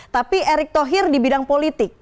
tapi erick thohir di bidang politik